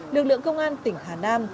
lực lượng công an tỉnh hà nam